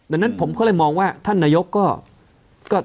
ดังนั้นผมก็เลยมองว่าท่านนายกก็